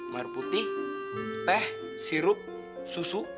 maru putih teh sirup susu